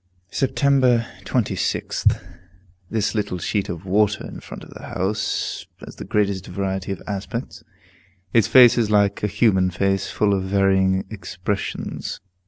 Sept. 26th. This little sheet of water in front of the house has the greatest variety of aspects; its face is like a human face, full of varying expressions.